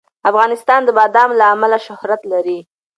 افغانستان د بادام له امله شهرت لري.